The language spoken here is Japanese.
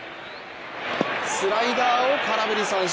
スライダーを空振り三振。